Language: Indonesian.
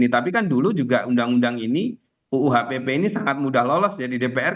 tapi kan dulu juga undang undang ini uuhpp ini sangat mudah lolos ya di dpr